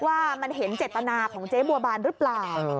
ว่ามันเห็นเจตนาของเจ๊บัวบานหรือเปล่า